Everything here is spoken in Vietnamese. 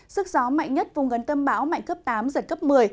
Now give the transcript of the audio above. sức gió mạnh nhất vùng gần tâm bão mạnh cấp tám giật cấp một mươi